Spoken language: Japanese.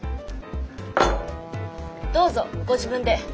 どうぞご自分で。